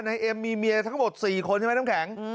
เอ็มมีเมียทั้งหมด๔คนใช่ไหมน้ำแข็ง